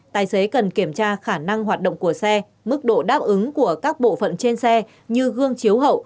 tài xế cần kiểm tra khả năng hoạt động của xe mức độ đáp ứng của các bộ phận trên xe như gương chiếu hậu